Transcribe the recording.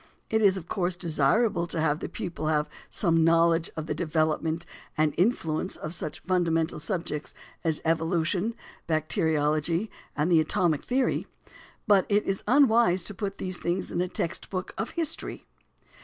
It is, of course, desirable to have the pupil have some knowledge of the development and influence of such fundamental subjects as evolution, bacteriology and the atomic theory; but it is unwise to put these things in a text book of history.